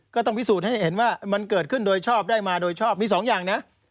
ก็ต้องพิสูจน์ให้เห็นว่ามันเกิดขึ้นโดยชอบได้มาโดยชอบมีสองอย่างนะ